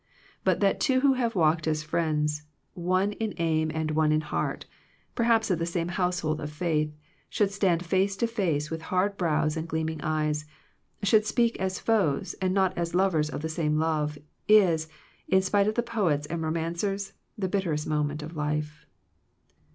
But that two who have walked as friends, one in aim and one in heart, perhaps of the same household of faith, should stand face to face with hard brows and gleaming eyes, should speak as foes and not as lovers of the same love, is, in spite of the poets and roman cers, the bitterest moment of life.